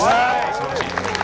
素晴らしい。